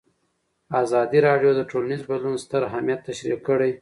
ازادي راډیو د ټولنیز بدلون ستر اهميت تشریح کړی.